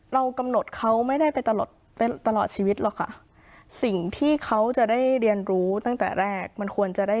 เรากำหนดเขาไม่ได้ไปตลอดไปตลอดชีวิตหรอกค่ะสิ่งที่เขาจะได้เรียนรู้ตั้งแต่แรกมันควรจะได้